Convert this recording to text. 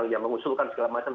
yang mengusulkan segala macam